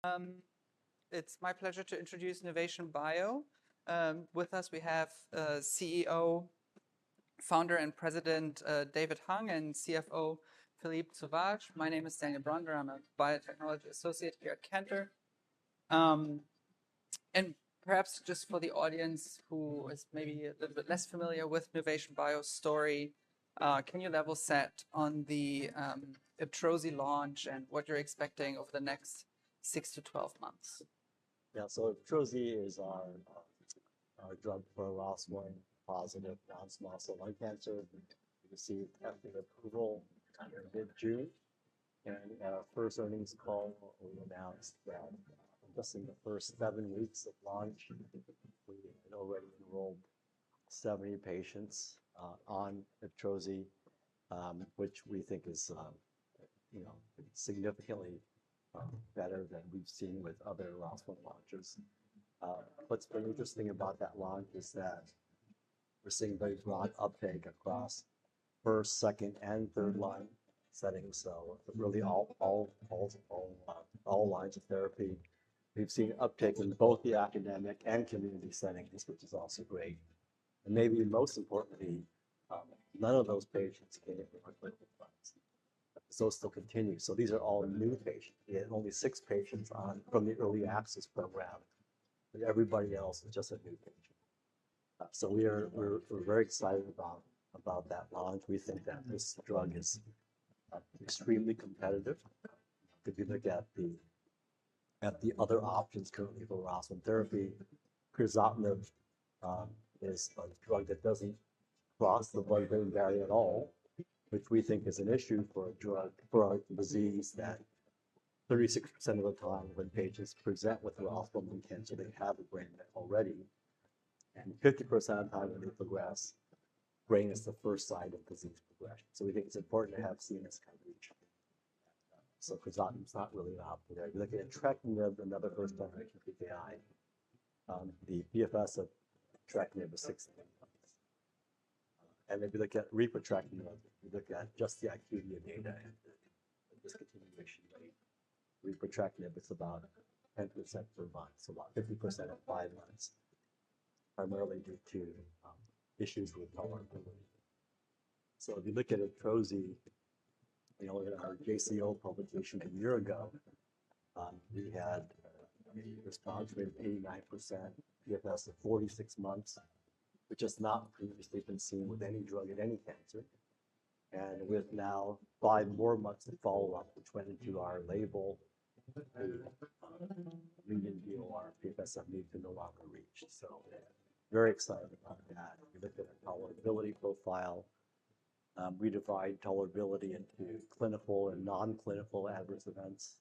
... It's my pleasure to introduce Nuvation Bio. With us, we have CEO, Founder, and President David Hung, and CFO Philippe Sauvage. My name is Daniel Brander. I'm a biotechnology associate here at Cantor. And perhaps just for the audience who is maybe a little bit less familiar with Nuvation Bio's story, can you level set on the taletrectinib launch and what you're expecting over the next six to 12 months? Yeah. So taletrectinib is our drug for ROS1-positive non-small cell lung cancer. We received FDA approval kind of mid-June, and at our first earnings call, we announced that just in the first seven weeks of launch, we had already enrolled seventy patients on taletrectinib, which we think is, you know, significantly better than we've seen with other ROS1 launchers. What's been interesting about that launch is that we're seeing very broad uptake across first, second, and third-line settings, so really all lines of therapy. We've seen uptake in both the academic and community settings, which is also great. And maybe most importantly, none of those patients came from clinical trials, so still continue. So these are all new patients. We had only six patients on from the early access program, but everybody else is just a new patient. We're very excited about that launch. We think that this drug is extremely competitive. If you look at the other options currently for ROS1 therapy, crizotinib is a drug that doesn't cross the blood-brain barrier at all, which we think is an issue for a disease that 36% of the time when patients present with ROS1 lung cancer, they have a brain met already, and 50% of the time when they progress, brain is the first site of disease progression. We think it's important to have CNS coverage. crizotinib is not really an option there. If you're looking at entrectinib, another first-line TKI, the PFS of entrectinib is six months. If you look at repotrectinib, you look at just the quality of data and the discontinuation rate. Repotrectinib is about 10% per month, so about 50% at five months, primarily due to issues with tolerability. If you look at taletrectinib, you know, in our JCO publication a year ago, we had a response rate of 89%, PFS of 46 months, which has not previously been seen with any drug in any cancer. With now five more months of follow-up, which went into our label, median DOR PFS have moved to no longer reached. We're very excited about that. If you look at the tolerability profile, we divide tolerability into clinical and non-clinical adverse events.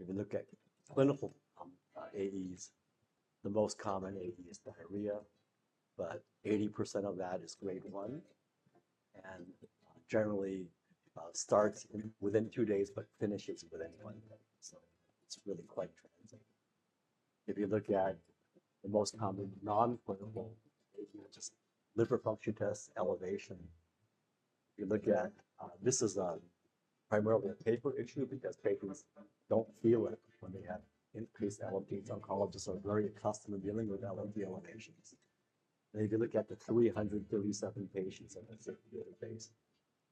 If you look at clinical AEs, the most common AE is diarrhea, but 80% of that is grade one, and generally starts within two days but finishes within one day. It's really quite transient. If you look at the most common non-clinical AE, just liver function test elevation. If you look at, this is primarily a paper issue because patients don't feel it when they have increased LFTs. Oncologists are very accustomed to dealing with LFT elevations. If you look at the three hundred and thirty-seven patients in the database,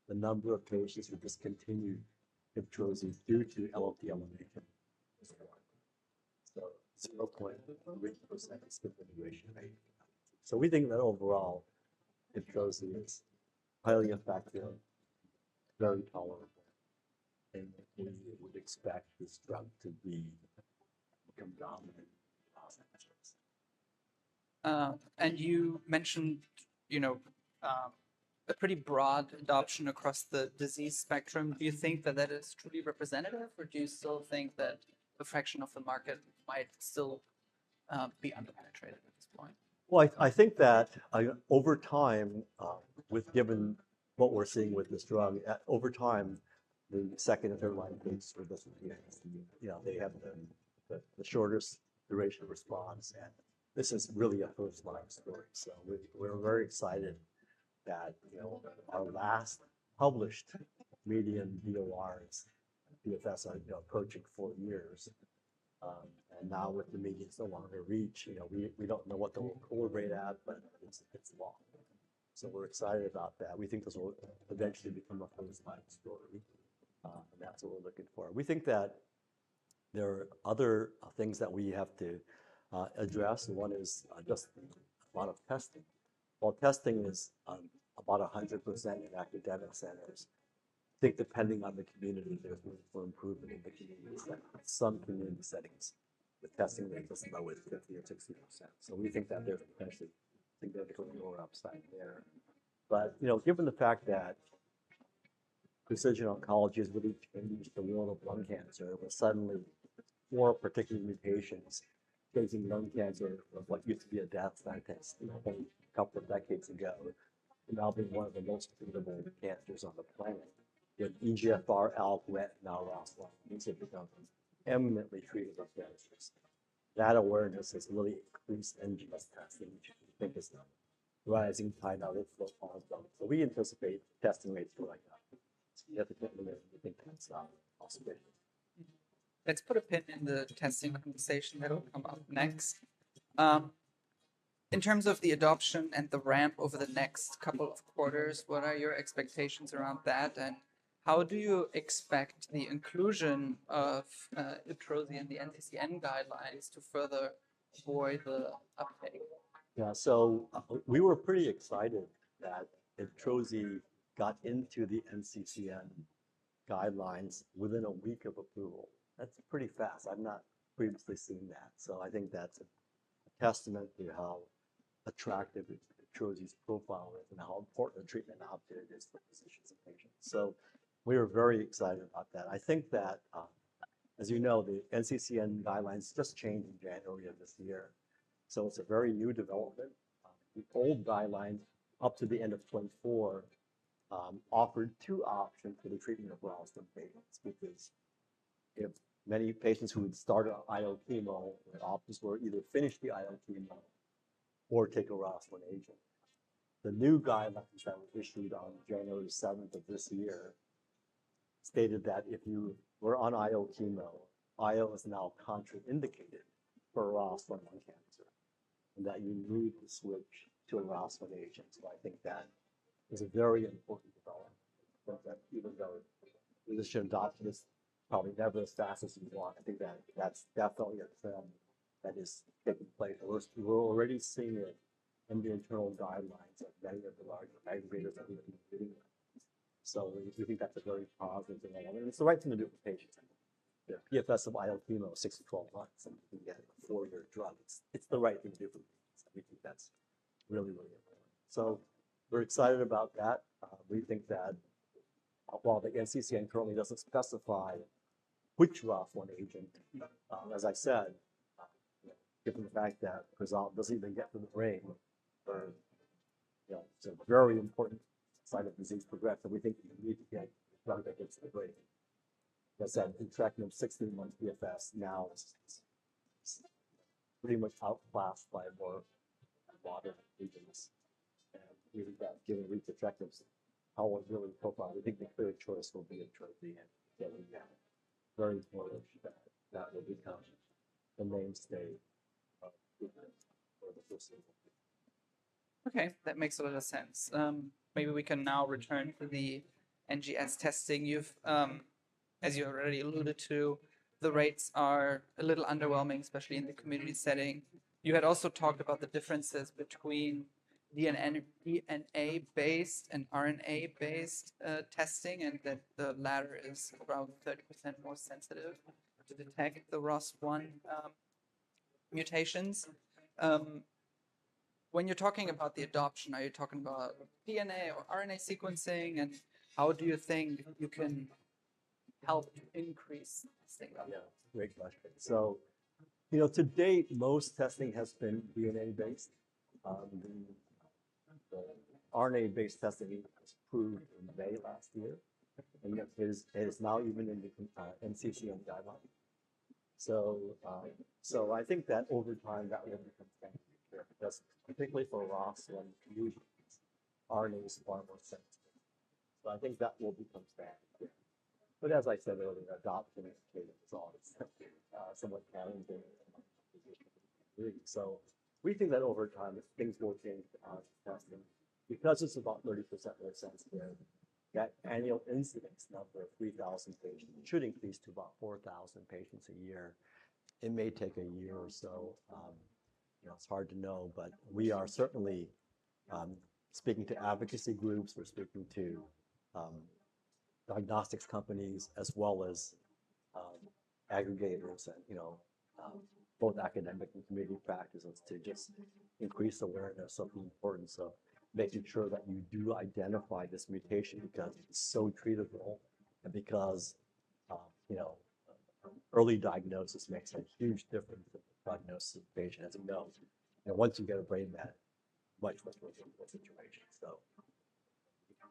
the number of patients who discontinued taletrectinib due to LFT elevation is one, so 0.1% discontinuation, right? So we think that overall, taletrectinib is highly effective, very tolerable, and we would expect this drug to become dominant in ROS1. And you mentioned, you know, a pretty broad adoption across the disease spectrum. Do you think that that is truly representative, or do you still think that a fraction of the market might still be underpenetrated at this point? I think that over time, given what we're seeing with this drug, over time, the second- and third-line rates for this, you know, they have the shortest duration of response, and this is really a first-line story. We're very excited that, you know, our last published median DORs, PFS are, you know, approaching four years, and now with the median so long to reach, you know, we don't know what the overall rate at, but it's long. We're excited about that. We think this will eventually become a first-line story, and that's what we're looking for. We think that there are other things that we have to address, and one is just a lot of testing. While testing is about 100% in academic centers, I think depending on the community, there's room for improvement. In some community settings, the testing rate is as low as 50% or 60%. So we think that there's potentially significantly more upside there. But, you know, given the fact that precision oncology has really changed the world of lung cancer, where suddenly more particular mutations causing lung cancer of what used to be a death sentence, you know, only a couple of decades ago, now being one of the most treatable cancers on the planet, you have EGFR, ALK, and now ROS1, these have become eminently treatable cancers. That awareness has really increased NGS testing, which we think is now rising pie now with ROS1. So we anticipate testing rates will go up.... Let's put a pin in the testing conversation. That'll come up next. In terms of the adoption and the ramp over the next couple of quarters, what are your expectations around that, and how do you expect the inclusion of taletrectinib in the NCCN guidelines to further drive the uptake? Yeah, so we were pretty excited that IBTROZI got into the NCCN guidelines within a week of approval. That's pretty fast. I've not previously seen that, so I think that's a testament to how attractive IBTROZI's profile is and how important a treatment option it is for physicians and patients. So we were very excited about that. I think that, as you know, the NCCN guidelines just changed in January of this year, so it's a very new development. The old guidelines, up to the end of 2024, offered two options for the treatment of ROS1 patients. Because if many patients who had started IO chemo, the options were either finish the IO chemo or take a ROS1 agent. The new guideline, which was issued on January seventh of this year, stated that if you were on IO chemo, IO is now contraindicated for ROS1 lung cancer, and that you need to switch to a ROS1 agent. So I think that is a very important development, but that even though physician adoption is probably never as fast as you want, I think that that's definitely a trend that is taking place. We're already seeing it in the internal guidelines of many of the large aggregators that we've been getting. So we think that's a very positive development, and it's the right thing to do for patients. Yeah, PFS of IO chemo, six to 12 months, and you can get a four-year drug. It's the right thing to do for patients. We think that's really, really important. So we're excited about that. We think that while the NCCN currently doesn't specify which ROS1 agent, as I said, given the fact that Rozlytrek doesn't even get to the brain, you know, it's a very important site of disease progression, so we think you need to get a drug that gets to the brain. As I said, entrectinib sixteen months PFS now is pretty much outclassed by more modern agents, and we think that given repotrectinib's powerful efficacy profile, we think the clear choice will be repotrectinib. So yeah, very important that that will become the mainstay of treatment for the first time. Okay, that makes a lot of sense. Maybe we can now return to the NGS testing. As you already alluded to, the rates are a little underwhelming, especially in the community setting. You had also talked about the differences between DNA-based and RNA-based testing, and that the latter is around 30% more sensitive to detect the ROS1 mutations. When you're talking about the adoption, are you talking about DNA or RNA sequencing, and how do you think you can help increase testing level? Yeah, great question. So, you know, to date, most testing has been DNA-based. The RNA-based testing was approved in May last year, and it is now even in the NCCN guideline. So, so I think that over time, that will become standard, because particularly for ROS1 mutations, RNA is far more sensitive. So I think that will become standard. But as I said earlier, adoption of data is always somewhat challenging. So we think that over time, things will change testing, because it's about 30% more sensitive. That annual incidence number of 3,000 patients should increase to about 4,000 patients a year. It may take a year or so. You know, it's hard to know, but we are certainly speaking to advocacy groups. We're speaking to diagnostics companies, as well as aggregators and, you know, both academic and community practices to just increase awareness of the importance of making sure that you do identify this mutation because it's so treatable and because, you know, early diagnosis makes a huge difference in the prognosis of the patient as a whole, and once you get a brain met, much, much more difficult situation, so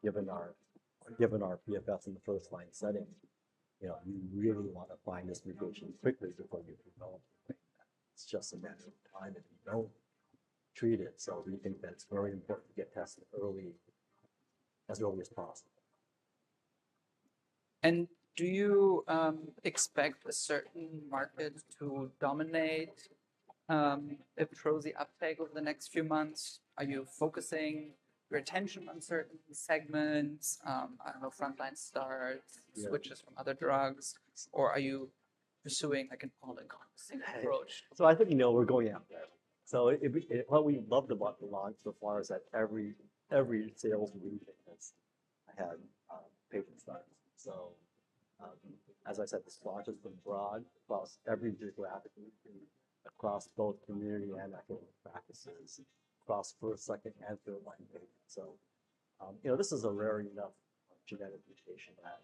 given our PFS in the first line setting, you know, you really want to find this mutation quickly before you develop. It's just a matter of time if you don't treat it, so we think that it's very important to get tested early, as early as possible. Do you expect a certain market to dominate taletrectinib uptake over the next few months? Are you focusing your attention on certain segments, I don't know, frontline starts- Yeah... switches from other drugs, or are you pursuing, like, an all-encompassing approach? So I think, you know, we're going out there. So it. What we loved about the launch so far is that every sales meeting has had patient starts. So, as I said, this launch has been broad across every geographic, across both community and academic practices, across first, second, and third line treatment. So, you know, this is a rare enough genetic mutation that,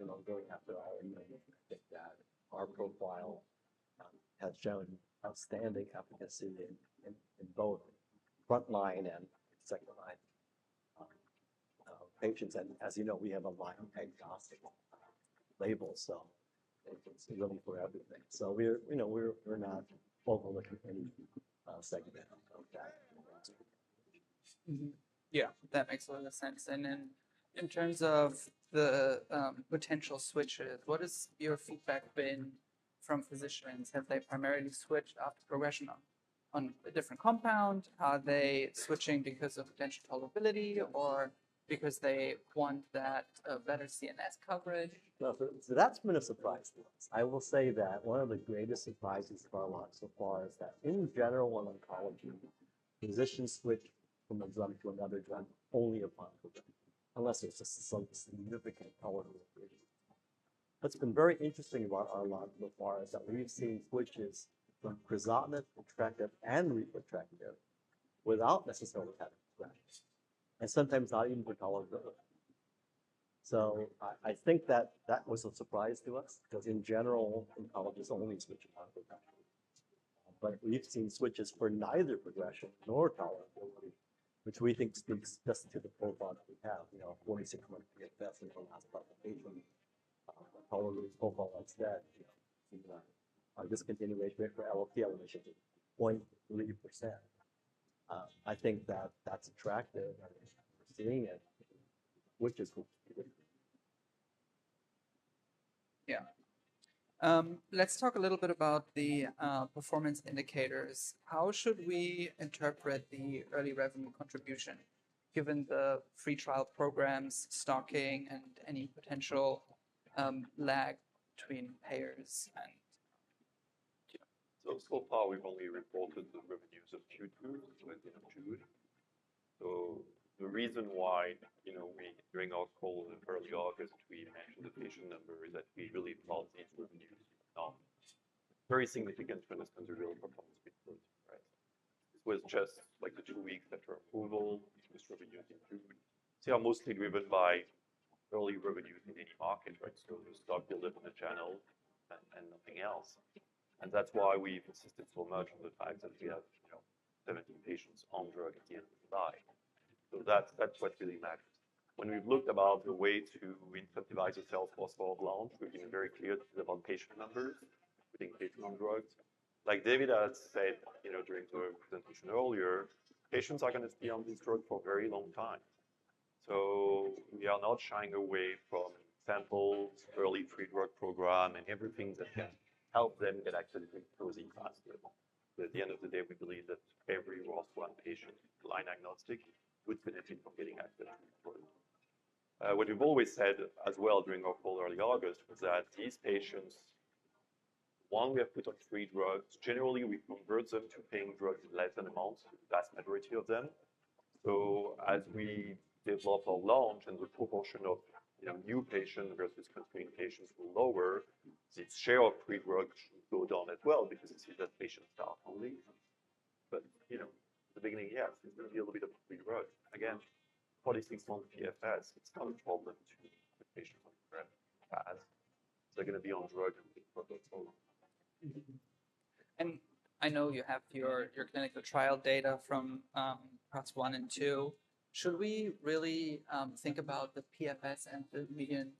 you know, going after our, I think that our profile has shown outstanding efficacy in both front line and second line patients. And as you know, we have a biomarker-agnostic label, so it's really for everything. So we're, you know, we're not overlooking any segment of that. Mm-hmm. Yeah, that makes a lot of sense. And then in terms of the potential switches, what has your feedback been from physicians? Have they primarily switched after progression on a different compound? Are they switching because of potential tolerability or because they want that better CNS coverage? That's been a surprise to us. I will say that one of the greatest surprises for taletrectinib so far is that in general, in oncology, physicians switch from one drug to another drug only upon progression, unless there's just some significant tolerability. What's been very interesting about taletrectinib so far is that we've seen switches from crizotinib, retrospective, without necessarily having progression, and sometimes not even with tolerability. I think that that was a surprise to us, 'cause, in general, oncologists only switch upon progression. We've seen switches for neither progression nor tolerability, which we think speaks just to the profile that we have, you know, 46-month PFS in the last patient, tolerability profile like that, you know, our discontinuation for LFT elevation is 0.3%. I think that that's attractive, and we're seeing it, which is good. Yeah. Let's talk a little bit about the performance indicators. How should we interpret the early revenue contribution, given the free trial programs, stocking, and any potential lag between payers and...? So far, we've only reported the revenues of Q2, so end of June. The reason why, you know, we, during our call in early August, we mentioned the patient number is that we really thought the revenues were not very significant to understand the real performance, right? It was just like the two weeks after approval, this revenue increase. So mostly driven by early revenues in each market, right? So the stock delivery channel and nothing else. And that's why we've insisted so much on the fact that we have, you know, 13 patients on drug at the end of the day. So that's what really matters. When we've looked about the way to incentivize yourself for sole launch, we've been very clear about patient numbers, putting patients on drugs. Like David has said, you know, during the presentation earlier, patients are going to be on this drug for a very long time. So we are not shying away from samples, early free drug program, and everything that can help them get access to those advanced label. At the end of the day, we believe that every ROS1 patient, line agnostic, would benefit from getting access to the product. What we've always said as well during our call early August, was that these patients, one, we have put on free drugs, generally, we convert them to paying drugs in less than a month, vast majority of them. So as we develop our launch and the proportion of, you know, new patients versus continuing patients will lower, the share of free drugs should go down as well because it's the patients start only. But, you know, the beginning, yes, it's going to be a little bit of free drugs. Again, 46-month PFS, it's not a problem to the patient on the drug fast. They're going to be on drug for the total. And I know you have your, your clinical trial data from, parts one and two. Should we really think about the PFS and the median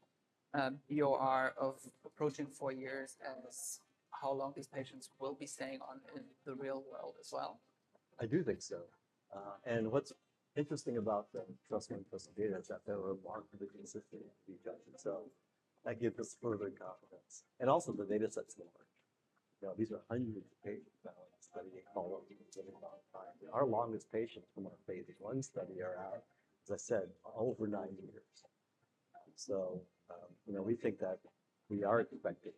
BOR of approaching four years as how long these patients will be staying on in the real world as well? I do think so. Uh, and what's interesting about the TRUST-I and II data is that they're remarkably consistent with each other, so that gives us further confidence. And also, the data sets are large. You know, these are hundreds of patients that we follow over time. Our longest patients from our Phase I study are out, as I said, over nine years. So, um, you know, we think that we are expecting,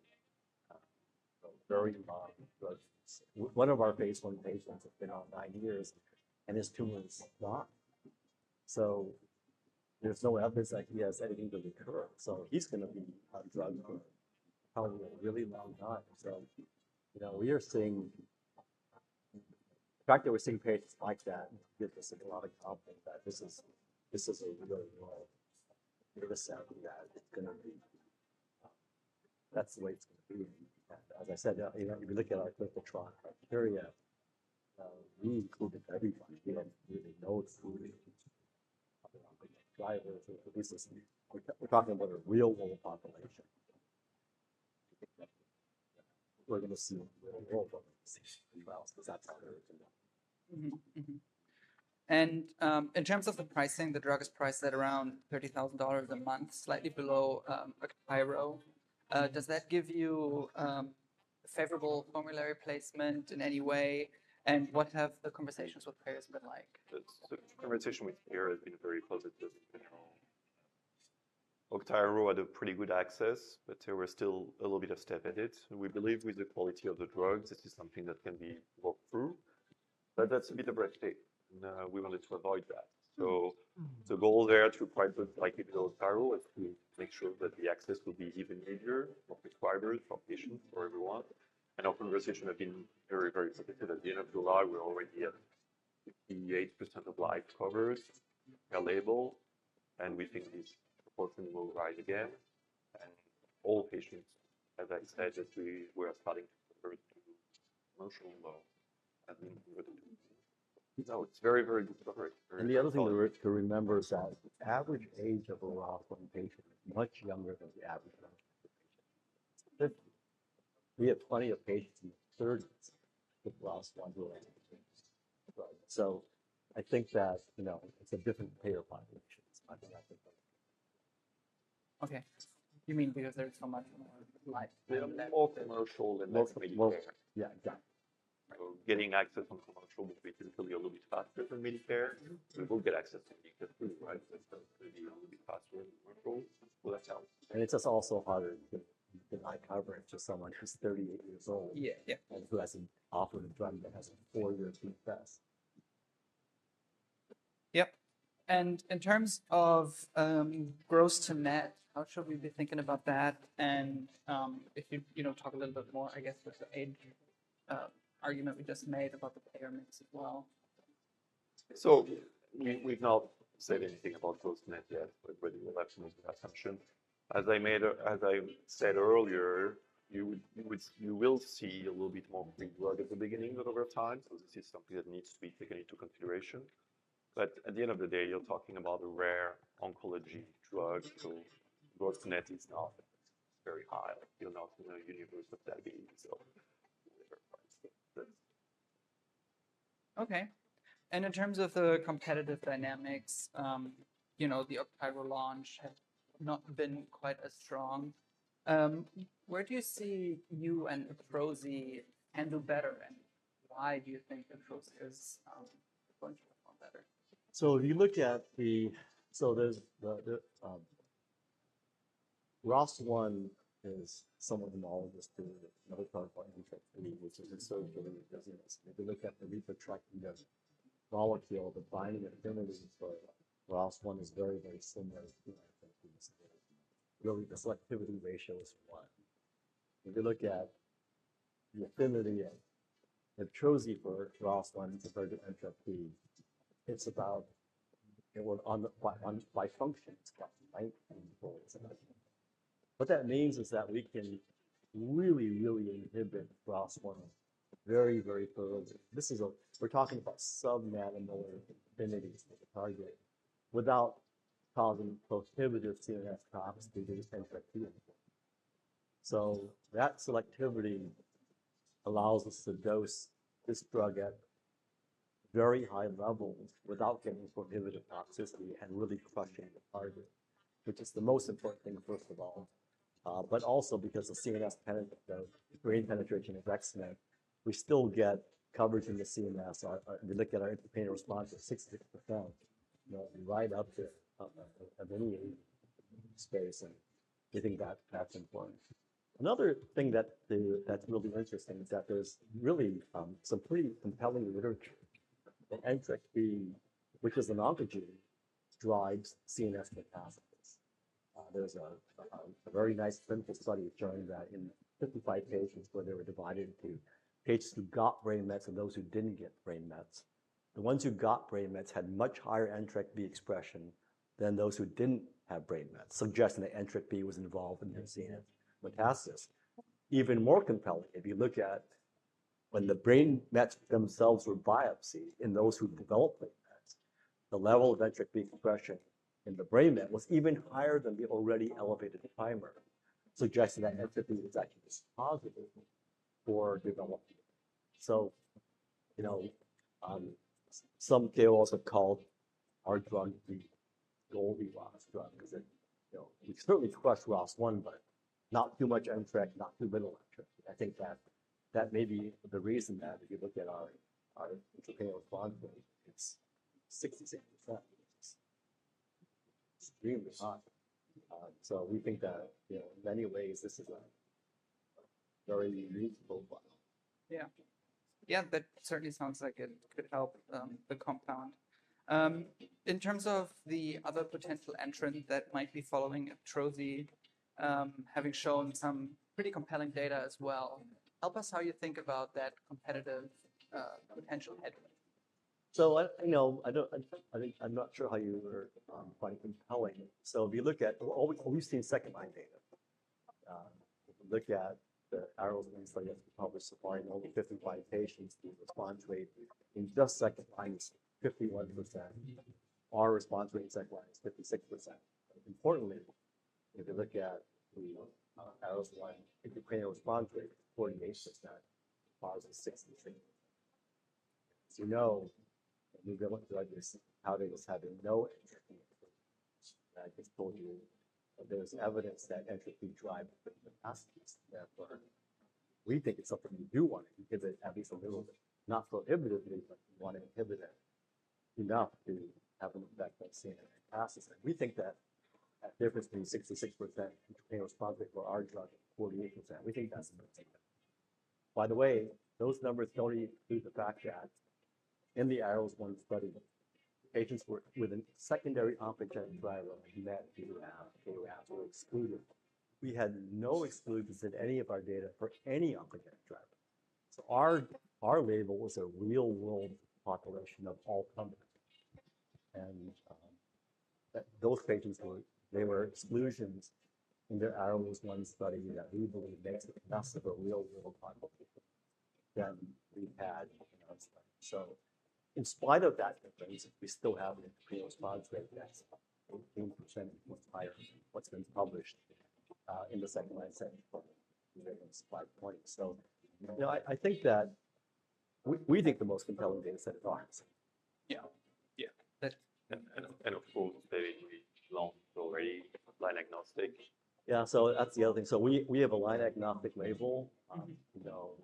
uh, very long, but one of our Phase I patients has been out nine years, and his tumor is gone. So there's no evidence that he has anything to recur, so he's going to be on drug for probably a really long time. So, you know, we are seeing-- the fact that we're seeing patients like that, gives us a lot of confidence that this is, this is a really well, the sound that it's going to be. That's the way it's going to be. As I said, you know, if you look at our clinical trial criteria, we included everybody. We don't really know it's moving. We're talking about a real-world population. We're going to see real-world population as well, because that's how they're doing. Mm-hmm. Mm-hmm. And in terms of the pricing, the drug is priced at around $30,000 a month, slightly below Augtyro. Does that give you favorable formulary placement in any way? And what have the conversations with payers been like? The conversation with payer has been very positive in general. Augtyro had a pretty good access, but there was still a little bit of step edits. We believe with the quality of the drugs, this is something that can be worked through, but that's a bit of red tape, and we wanted to avoid that. The goal there, to price it like below Augtyro, is to make sure that the access will be even easier for prescribers, for patients, for everyone. Our conversation has been very, very positive. At the end of July, we already had 58% of live covers, a label, and we think this proportion will rise again. All patients, as I said, that we are starting to refer to commercial launch, I think. It's very, very different. And the other thing we were to remember is that the average age of a ROS1 patient is much younger than the average patient. If we have plenty of patients in their thirties with ROS1 mutations. So I think that, you know, it's a different payer population, I think. Okay. You mean because there is so much more life? More commercial and less Medicare. Yeah, exactly. So getting access on commercial will be typically a little bit faster than Medicare. We will get access to Medicare through the right system, maybe a little bit faster than commercial. Will that help? And it's just also harder to deny coverage to someone who's 38 years old- Yeah, yeah. and who has an offered drug that has a four-year free pass. Yep. And in terms of gross to net, how should we be thinking about that? And if you, you know, talk a little bit more, I guess, with the age argument we just made about the payer mix as well. So we've not said anything about gross net yet, but we'll have to make that assumption. As I said earlier, you will see a little bit more big drug at the beginning than over time. So this is something that needs to be taken into consideration. But at the end of the day, you're talking about a rare oncology drug, so gross net is not very high. You're not in a universe of diabetes, so Okay. And in terms of the competitive dynamics, you know, the Augtyro launch has not been quite as strong. Where do you see you and IBTROZI handle better, and why do you think IBTROZI is going to perform better? So there's the ROS1 is somewhat analogous to another drug, which is also really big business. If you look at the repotrectinib molecule, the binding affinity for ROS1 is very, very similar to the selectivity ratio is one. If you look at the affinity of IBTROZI for ROS1 compared to entrectinib, it's about ninefold on the IC50. What that means is that we can really, really inhibit ROS1 very, very thoroughly. We're talking about some nanomolar affinity for the target without causing prohibitive CNS toxicity through this entrectinib. So that selectivity allows us to dose this drug at very high levels without getting prohibitive toxicity and really crushing the target, which is the most important thing, first of all, but also because the CNS penetration, the brain penetration is excellent, we still get coverage in the CNS. So we looked at our interpatient response of 66%, you know, right up there, up at any space, and we think that that's important. Another thing that's really interesting is that there's really some pretty compelling literature, entrectinib, which is an oncology, drives CNS metastasis. There's a very nice clinical study showing that in 55 patients where they were divided into patients who got brain mets and those who didn't get brain mets. The ones who got brain mets had much higher entrectinib expression than those who didn't have brain mets, suggesting that entrectinib was involved in the CNS metastasis. Even more compelling, if you look at when the brain mets themselves were biopsied in those who developed brain mets, the level of entrectinib expression in the brain met was even higher than the already elevated tumor, suggesting that entrectinib is actually dispositive for development. So, you know, some KOLs have called our drug the Goldilocks ROS drug, because it, you know, we certainly crushed ROS1, but not too much entrectinib, not too little entrectinib. I think that, that may be the reason that if you look at our, our intracranial response rate, it's 66%. Extremely high. So we think that, you know, in many ways, this is a very addressable one. Yeah. Yeah, that certainly sounds like it could help the compound. In terms of the other potential entrant that might be following IBTROZI, having shown some pretty compelling data as well, help us how you think about that competitive potential headway. So, you know, I'm not sure how you were quite compelling. If you look at all, we've seen second-line data. Look at the ROS published supporting only 55 patients. The response rate in just second line is 51%. Our response rate in second line is 56%. Importantly, if you look at the ROS-1 intracranial response rate, 48% versus 63. So no, we've looked at this, how it was having no entrectinib. I just told you, there's evidence that entrectinib drives capacities, therefore, we think it's something we do want to inhibit at least a little bit, not prohibitively, but we want to inhibit it enough to have an effect by seeing it passes. We think that that difference between 66% intracranial response rate for our drug, 48%, we think that's significant. By the way, those numbers don't even include the fact that in the ROS-1 study, patients with a secondary oncogenic driver mutation were excluded. We had no exclusions in any of our data for any oncogenic driver. So our label was a real-world population of all comers... and those patients were exclusions, and there are almost no studies that we believe make for a more real-world population than we had. So in spite of that difference, we still have a response rate that's 14% much higher than what's been published in the second line setting for five point. So, you know, I think that we think the most compelling data set is ours. Yeah. Yeah, that's-- Of course, very long already line agnostic. Yeah. So that's the other thing. So we have a line agnostic label. You know,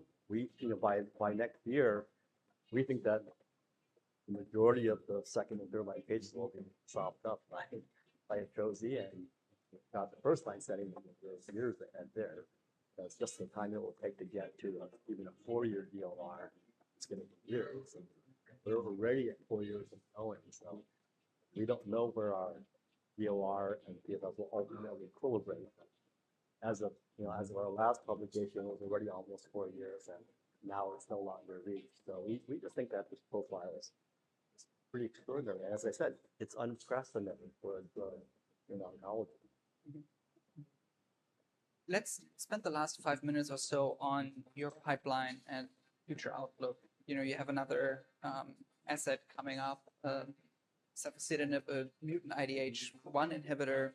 by next year, we think that the majority of the second and third line patients will be propped up by Josie, and not the first line setting those years ahead there. That's just the time it will take to get to even a four-year DOR. It's gonna be years, and we're already four years going, so we don't know where our DOR and PFS will ultimately equilibrate. As of, you know, as our last publication was already almost four years, and now it's not yet reached. So we just think that this profile is pretty extraordinary, and as I said, it's unprecedented for the, you know, oncology. Mm-hmm. Let's spend the last five minutes or so on your pipeline and future outlook. You know, you have another asset coming up, safusidenib, a mutant IDH1 inhibitor.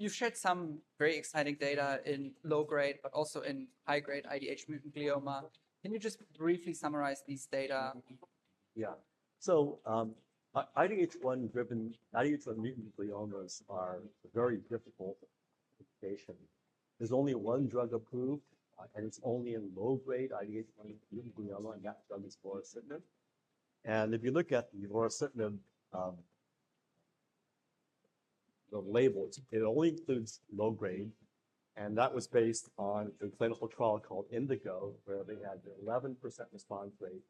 You've shared some very exciting data in low-grade, but also in high-grade IDH mutant glioma. Can you just briefly summarize these data? Yeah. So, IDH1-driven, IDH-mutant gliomas are very difficult patient. There's only one drug approved, and it's only in low-grade IDH1 glioma, and that drug is vorasidenib. And if you look at vorasidenib, the labels, it only includes low-grade, and that was based on a clinical trial called INDIGO, where they had 11% response rate,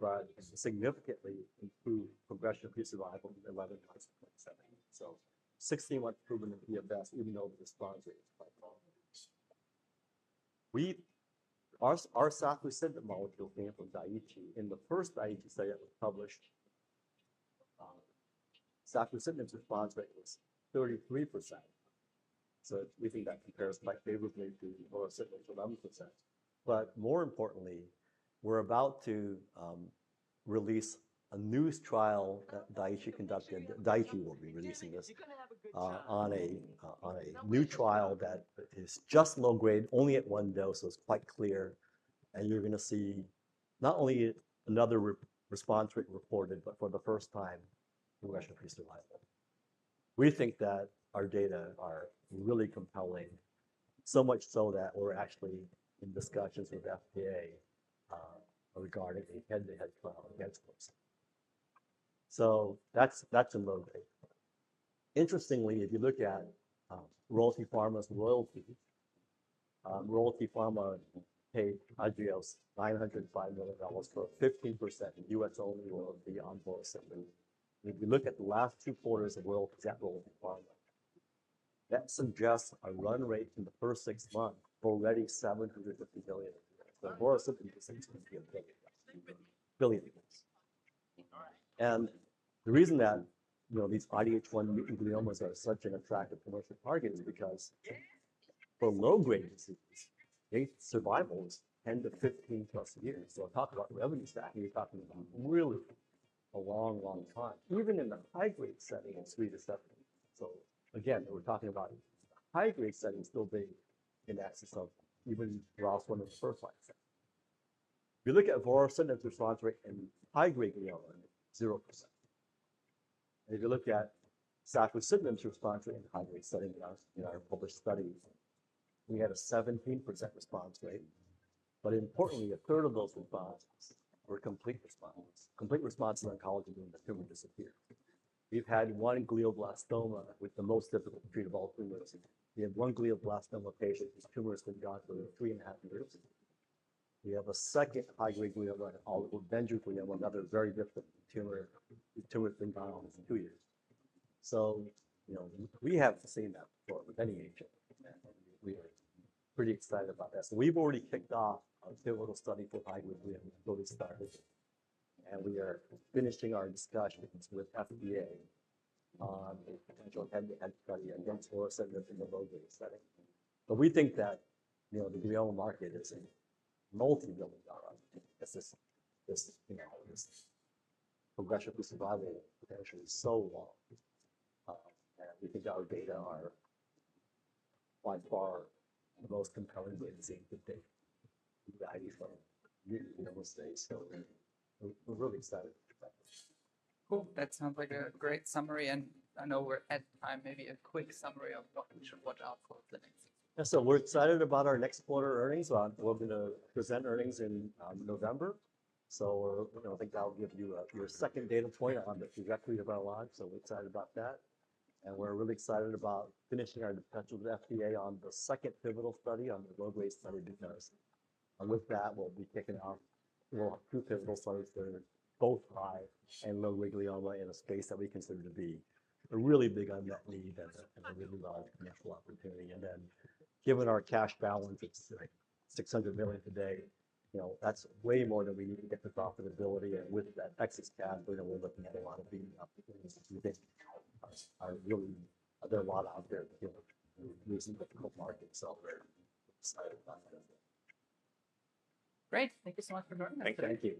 but significantly improved progression-free survival to 11.7. So 61 proven to be a best, even though the response rate is quite long. Our, our safusidenib molecule came from Daiichi. In the first Daiichi study that was published, safusidenib response rate was 33%. So we think that compares quite favorably to the vorasidenib 11%. But more importantly, we're about to release a newest trial that Daiichi conducted. Daiichi will be releasing this on a new trial that is just low grade, only at one dose, so it's quite clear, and you're gonna see not only another response rate reported, but for the first time, progression-free survival. We think that our data are really compelling, so much so that we're actually in discussions with FDA regarding a head-to-head trial against us. So that's in low grade. Interestingly, if you look at Royalty Pharma's royalty, Royalty Pharma paid Agios $905 million for a 15% US-only royalty on vorasidenib. If you look at the last two quarters of Servier, that suggests a run rate in the first six months already $750 million. The vorasidenib is going to be a big billion dollars. The reason that, you know, these IDH1 mutant gliomas are such an attractive commercial target is because for low-grade diseases, their survival is 10-15 plus years. So we're talking about revenue stack, and you're talking about really a long, long time, even in the high-grade setting is 3-7. So again, we're talking about high-grade settings still being in excess of even one of the first line setting. If you look at vorasidenib response rate in high-grade glioma, 0%. If you look at safusidenib response rate in high-grade setting, in our published studies, we had a 17% response rate. But importantly, a third of those responses were complete response. Complete response in oncology mean the tumor disappeared. We've had one glioblastoma with the most difficult treat of all tumors. We had one glioblastoma patient, whose tumor has been gone for three and a half years. We have a second high-grade glioma, oligodendroglioma, another very different tumor. The tumor has been gone almost two years. You know, we have seen that for any agent, and we are pretty excited about that. We've already kicked off a pivotal study for high-grade glioma. We've already started, and we are finishing our discussions with FDA on a potential head-to-head study against vorasidenib in the low-grade setting. But we think that, you know, the glioma market is a multi-billion dollar, because this, you know, this progression-free survival potentially is so long. And we think our data are by far the most compelling in this IDH1 malignancy. We're really excited about this. Cool. That sounds like a great summary, and I know we're out of time. Maybe a quick summary of what we should watch out for the next. We're excited about our next quarter earnings. We're gonna present earnings in November. You know, I think that'll give you your second data point on the trajectory of our launch, so we're excited about that. And we're really excited about finishing our potential FDA on the second pivotal study on the low-grade glioma. And with that, we'll be kicking off two more pivotal studies that are both high- and low-grade glioma in a space that we consider to be a really big unmet need and a really large commercial opportunity. And then, given our cash balance, it's like $600 million today. You know, that's way more than we need to get to profitability, and with that excess cash, you know, we're looking at a lot of big opportunities we think are really. There are a lot out there, you know, recent difficult markets, so we're excited about that. Great. Thank you so much for joining us. Thank you.